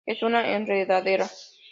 Es una enredadera.